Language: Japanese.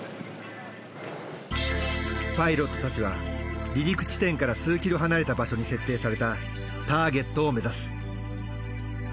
パイロットたちは離陸地点から数キロ離れた場所に設定されたターゲットを目指す。